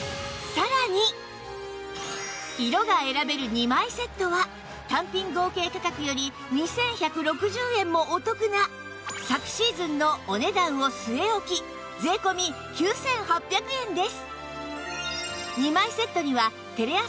色が選べる２枚セットは単品合計価格より２１６０円もお得な昨シーズンのお値段を据え置き税込９８００円です